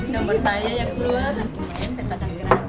nomor saya yang berulang